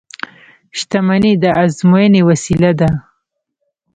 • شتمني د ازموینې وسیله ده.